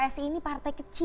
karena psi ini partai kecil